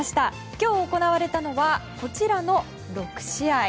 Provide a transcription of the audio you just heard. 今日行われたのはこちらの６試合。